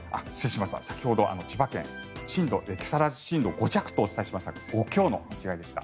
先ほど千葉県木更津市震度５弱とお伝えしましたが５強の間違いでした。